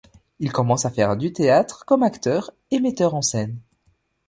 Il commence à faire du théâtre comme acteur et metteur en scène.